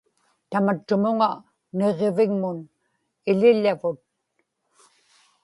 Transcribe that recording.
tamattumuŋa niġġivigmun iḷiḷavut